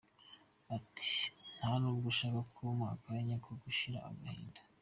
Ati “Ntan’ubwo ushaka kumpa akanya ko gushira agahinda.